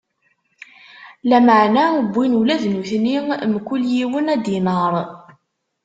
Lameɛna wwin ula d nutni, mkul yiwen, adinaṛ.